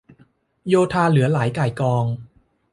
โยธาเหลือหลายก่ายกอง